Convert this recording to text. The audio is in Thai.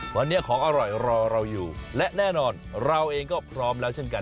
วันนี้ของอร่อยรอเราอยู่และแน่นอนเราเองก็พร้อมแล้วเช่นกัน